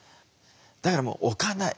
だからもう置かない。